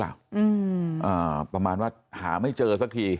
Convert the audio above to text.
แล้วผมเป็นเพื่อนกับพระนกแต่ผมก็ไม่เคยช่วยเหลือเสียแป้ง